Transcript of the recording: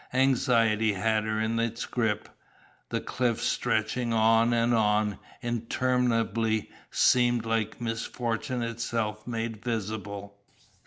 Anxiety had her in its grip, the cliffs stretching on and on interminably seemed like misfortune itself made visible.